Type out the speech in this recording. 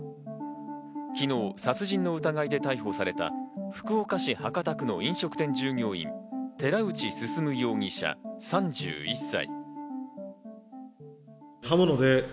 昨日殺人の疑いで逮捕された福岡市博多区の飲食店従業員・寺内進容疑者、３１歳。